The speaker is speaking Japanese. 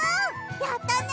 やったね！